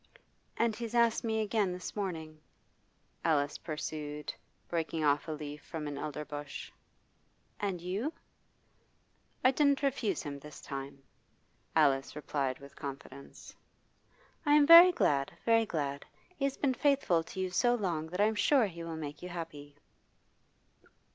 'And he's asked me again this morning,' Alice pursued, breaking off a leaf from an elder bush. 'And you ?' 'I didn't refuse him this time,' Alice replied with confidence. 'I am very glad, very glad. He has been faithful to you so long that I am sure he will make you happy.